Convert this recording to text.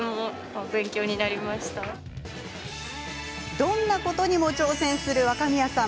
どんなことにも挑戦する若宮さん。